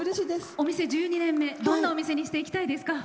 お店１２年目どんなお店にしていきたいですか。